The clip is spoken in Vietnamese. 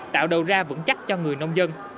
tạo đầu ra vững chắc cho người nông dân